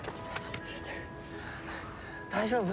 大丈夫？